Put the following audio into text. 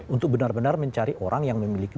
untuk benar benar mencari orang yang memiliki